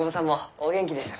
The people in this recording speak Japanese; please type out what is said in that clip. お元気でしたか？